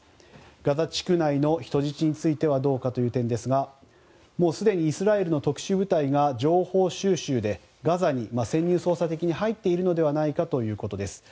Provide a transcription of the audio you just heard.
ガザ地区内の人質についてはどうかという点ですがもうすでにイスラエルの特殊部隊が情報収集でガザ地区に潜入捜査的に入っているのではないかということです。